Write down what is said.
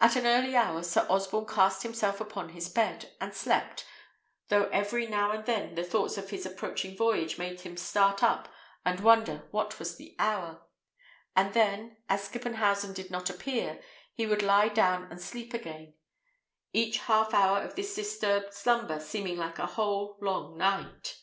At an early hour Sir Osborne cast himself upon his bed, and slept, though every now and then the thoughts of his approaching voyage made him start up and wonder what was the hour; and then, as Skippenhausen did not appear, he would lie down and sleep again, each half hour of this disturbed slumber seeming like a whole long night.